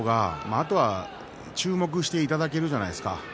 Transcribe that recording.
あとは注目していただけるんじゃないでしょうか。